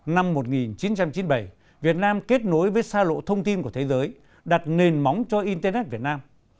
năm một nghìn chín trăm chín mươi bảy việt nam kết nối với xa lộ thông tin của thế giới đặt nền móng cho internet việt nam